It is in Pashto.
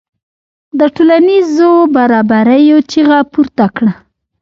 د ټولنیزو برابریو چیغه پورته کړه.